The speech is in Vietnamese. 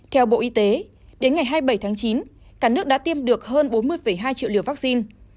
theo bộ y tế đến ngày hai mươi bảy tháng chín cả nước đã tiêm được hơn bốn mươi hai triệu liều vaccine